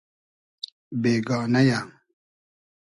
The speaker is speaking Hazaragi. بېگانۂ یۂ